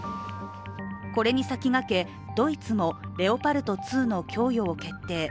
これに先駆け、ドイツもレオパルト２の供与を決定。